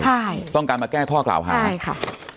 ใช่ต้องการมาแก้ข้อกล่าวหาใช่ค่ะ